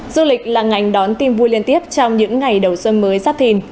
du lịch là ngành đón tim vui liên tiếp trong những ngày đầu xuân mới giáp thìn